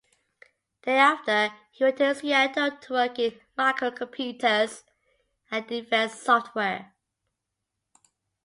Thereafter, he went to Seattle to work in microcomputers and defense software.